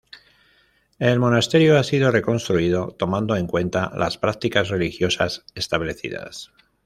El monasterio ha sido reconstruido tomando en cuenta las prácticas religiosas establecidas.